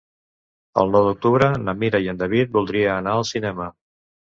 El nou d'octubre na Mira i en David voldria anar al cinema.